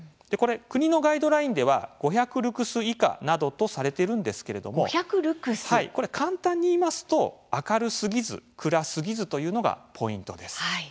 国のガイドラインでは５００ルクス以下などとされているんですけれども簡単に言いますと明るすぎず、暗すぎずというのがポイントです。